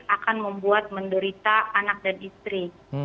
akan membuat menderita anak dan istri